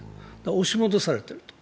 押し戻されてると。